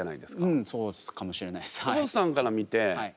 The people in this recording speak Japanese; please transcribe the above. うんそうかもしれないですはい。